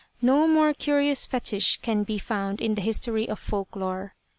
No more curious fetich can be found in the history of folk lore.